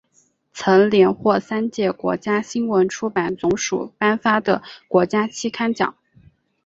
曾连获三届国家新闻出版总署颁发的国家期刊奖。